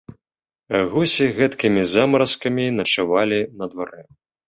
Гусі гэткімі замаразкамі начавалі на дварэ.